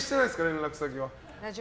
連絡先は。